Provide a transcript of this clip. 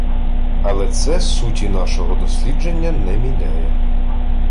Але це суті нашого дослідження не міняє